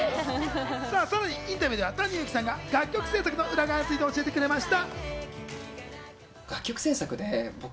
そんな中、インタビューではＴａｎｉＹｕｕｋｉさんが、楽曲制作の裏側について教えてくれました。